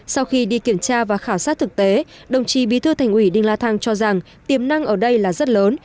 sau khi đi kiểm tra và khảo sát thực tế đồng chí bí thư thành ủy đinh la thăng cho rằng tiềm năng ở đây là rất lớn